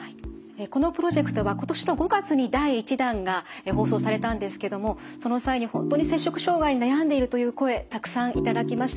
このプロジェクトは今年の５月に第１弾が放送されたんですけどもその際に本当に摂食障害に悩んでいるという声たくさん頂きました。